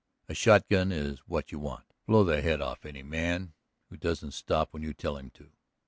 A shotgun is what you want. Blow the head off any man who doesn't stop when you tell him to.